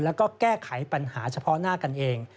แล้วก็แก้ไขปัญหาเฉพาะหน้ากันเอง